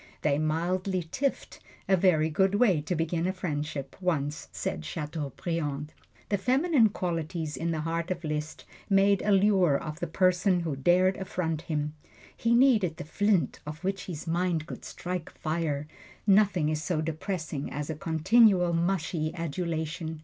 They mildly tiffed a very good way to begin a friendship, once said Chateaubriand. The feminine qualities in the heart of Liszt made a lure of the person who dared affront him. He needed the flint on which his mind could strike fire nothing is so depressing as continual, mushy adulation.